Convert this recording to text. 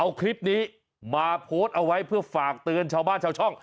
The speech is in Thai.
เอาคลิปนี้มาโพสต์เอาไว้เพื่อฝากเตือนชาวบ้านชาวช่อง